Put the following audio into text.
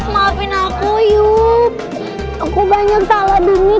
empat mau lalu ulang ga t'ing literary maaf ya